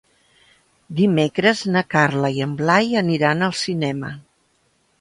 Dimecres na Carla i en Blai aniran al cinema.